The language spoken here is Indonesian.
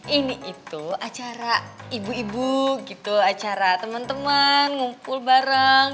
ini itu acara ibu ibu gitu acara teman teman ngumpul bareng